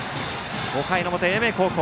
５回の表、英明高校。